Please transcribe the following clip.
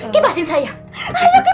ke pasien saya